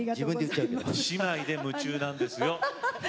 姉妹で夢中なんですよ。